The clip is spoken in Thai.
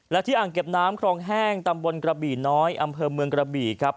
และที่อ่างเก็บน้ำครองแห้งตำบลกระบี่น้อยอำเภอเมืองกระบี่ครับ